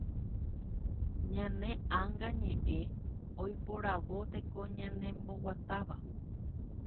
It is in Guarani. Ñane ãnga ñeʼẽ oiporavo teko ñanemboguatáva.